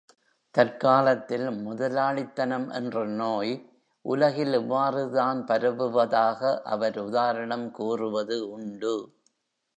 தற்காலத்தில் முதலாளித் தனம் என்ற நோய், உலகில் இவ்வாறுதான் பரவுவதாக அவர் உதாரணம் கூறுவது உண்டு.